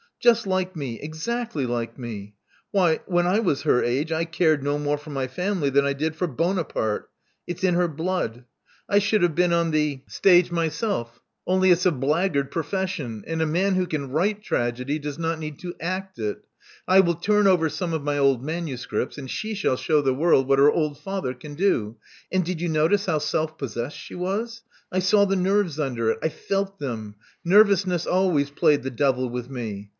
Just like me: exactly like me. Why, when I was her age, I cared no more for my family than I did for Buona parte. It's in her blood. I should have been on the Love Among the Artists 245 stage myself only it's a blackguard profession; and a man who can write tragedy does not need to act it. I will turn over some of my old manuscripts; and she shall show the world what her old father can do. And did you notice how self possessed she was? I saw the nerves under it. I felt them. Nervousness always played the devil with me.